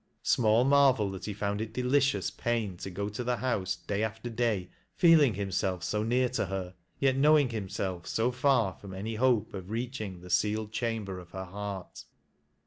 Small marvel, that he found it delicious pain to go to the house day after day, feeling himself so near to her, yet knowing himself so far from any hope oJ reaching the sealed chamber of her heart.